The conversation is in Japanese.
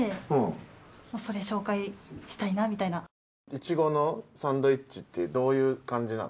イチゴのサンドイッチってどういう感じなの？